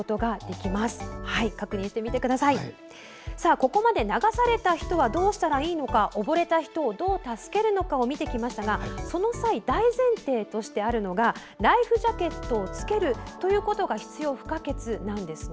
ここまで流された人はどうしたらいいのか溺れた人をどう助けるのかを見てきましたがその際、大前提としてあるのがライフジャケットを着けるということが必要不可欠なんですね。